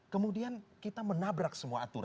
kemudian kita menabrak semua aturan